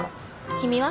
君は？